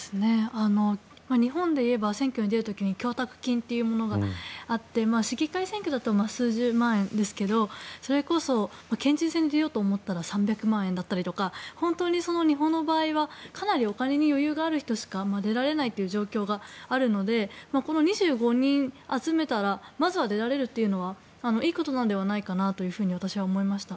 日本でいえば選挙に出る時に供託金というものがあって市議会選挙だと数十万円ですけどそれこそ県知事選に出ようと思ったら３００万円だったりとか本当に日本の場合はかなりお金に余裕がある人しか出られないという状況があるのでこの２５人集めたらまずは出られるというのはいいことなのではないかなというふうに私は思いました。